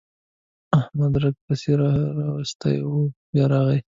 احمد رګه پسې راخيستې وه؛ بيا راغی.